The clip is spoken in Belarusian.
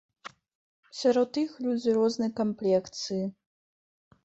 Сярод іх людзі рознай камплекцыі.